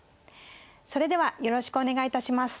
それではよろしくお願いいたします。